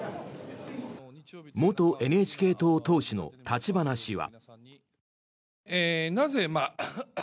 元ＮＨＫ党党首の立花氏は。